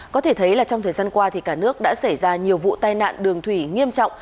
có thể thấy là trong thời gian qua thì cả nước đã xảy ra nhiều vụ tai nạn đường thủy nghiêm trọng